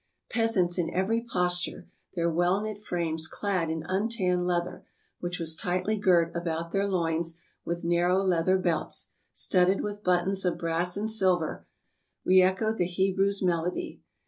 Peasants in every posture, their well knit frames clad in untanned leather, which was tightly girt about their loins with narrow leather belts, studded with buttons of brass and silver, reechoed the Hebrew's melody.